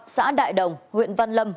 xã đại đồng huyện văn lâm